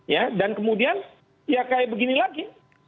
ya dan kemudian ya kayak begini lagi